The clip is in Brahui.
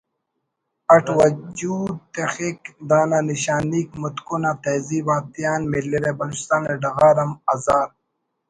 اٹ وجود تخک دانا نشانیک متکن آ تہذیب آتیان ملرہ بلوچستان نا ڈغار آن ہزار